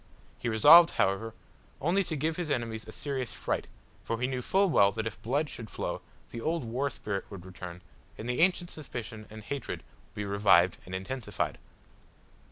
He resolved, however, only to give his enemies a serious fright, for he knew full well that if blood should flow, the old war spirit would return, and the ancient suspicion and hatred be revived and intensified.